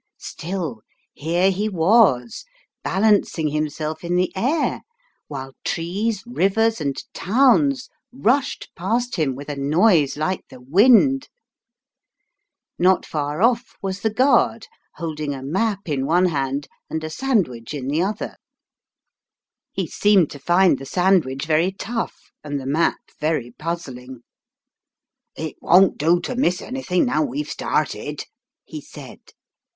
Still here he was, balancing himself in the air, while trees, rivers, and towns rushed past him with a noise like the wind. Not far off was the guard, holding a map in one hand and a sandwich in the other ; he seemed to find the sandwich very F 42 Then round goes the earth, NOT THE AIR ; in defiance tough, and the map very puzzling. "It won't do to miss anything, now we've started," he said.